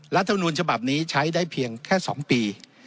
รัฐมนูลฉบับนี้ใช้ได้เพียงแค่๒ปี